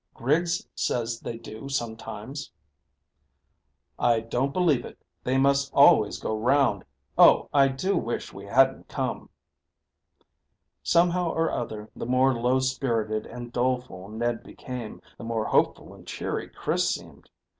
"Griggs says they do sometimes." "I don't believe it; they must always go round. Oh, I do wish we hadn't come." Somehow or other, the more low spirited and doleful Ned became, the more hopeful and cheery Chris seemed.